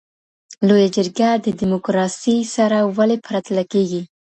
لویه جرګه د ډیموکراسۍ سره ولي پرتله کیږي؟